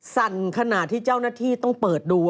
สั่นขนาดที่เจ้าหน้าที่ต้องเปิดดู